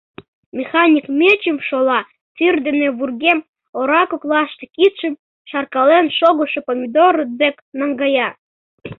Механик мечым шола тӱр дене вургем ора коклаште кидшым шаркален шогышо Помидор дек наҥгая.